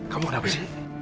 kamu kenapa sih